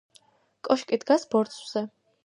კოშკი დგას ბორცვზე.